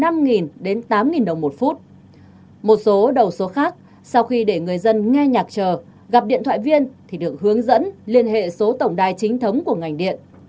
một số đầu số khác sau khi để người dân nghe nhạc chờ gặp điện thoại viên thì được hướng dẫn liên hệ số tổng đài chính thống của ngành điện